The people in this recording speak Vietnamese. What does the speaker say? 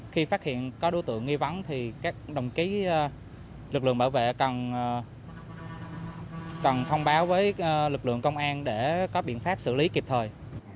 khi phát hiện có đối tượng nghi vắng thì các đồng chí lực lượng bảo vệ cần thông báo với lực lượng công an để có biện pháp xử lý kịp thời